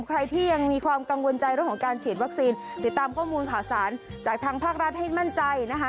ใครที่ยังมีความกังวลใจเรื่องของการฉีดวัคซีนติดตามข้อมูลข่าวสารจากทางภาครัฐให้มั่นใจนะคะ